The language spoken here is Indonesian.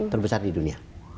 terbesar di dunia